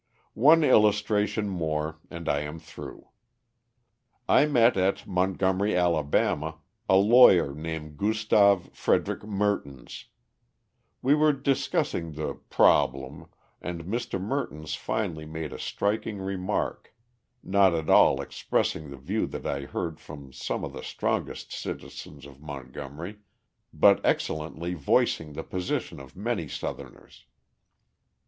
_ One illustration more and I am through. I met at Montgomery, Alabama, a lawyer named Gustav Frederick Mertins. We were discussing the "problem," and Mr. Mertins finally made a striking remark, not at all expressing the view that I heard from some of the strongest citizens of Montgomery, but excellently voicing the position of many Southerners.